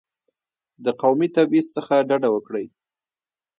د قومي تبعیض څخه ډډه وکړئ.